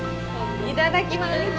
いただきます！